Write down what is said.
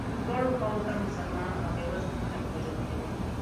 دواړو خواوو ته مسلمانان او بیوزلي خلک وژل کېدل.